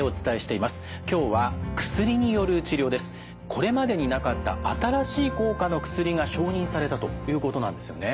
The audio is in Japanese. これまでになかった新しい効果の薬が承認されたということなんですよね。